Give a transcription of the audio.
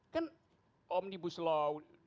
kan omnibus law dibikin